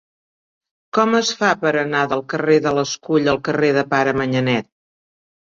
Com es fa per anar del carrer de l'Escull al carrer del Pare Manyanet?